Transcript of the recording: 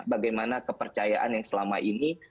bagaimana kepercayaan yang selama ini